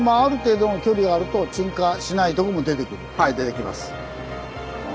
はい出てきます。